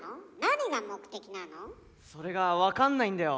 それが分かんないんだよ。